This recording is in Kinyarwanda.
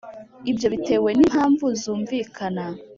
Ibyo bitewe n’impamvu zumvikana